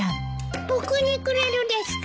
僕にくれるですか？